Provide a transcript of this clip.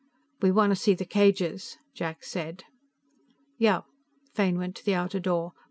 "We want to see the cages," Jack said. "Yeah." Fane went to the outer door.